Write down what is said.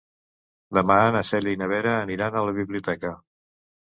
Demà na Cèlia i na Vera aniran a la biblioteca.